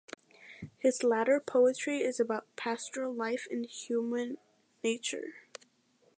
His latter poetry is about pastoral life and human nature.